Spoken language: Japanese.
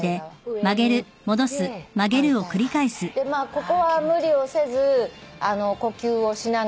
ここは無理をせず呼吸をしながら。